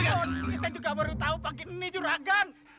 ya ampun kita juga baru tau pake ini seragam